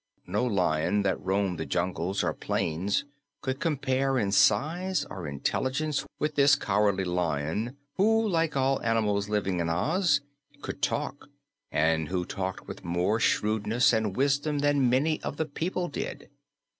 No lion that roamed the jungles or plains could compare in size or intelligence with this Cowardly Lion, who like all animals living in Oz could talk and who talked with more shrewdness and wisdom than many of the people did.